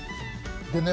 でね